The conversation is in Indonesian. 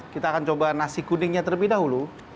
kita akan coba nasi kuningnya terlebih dahulu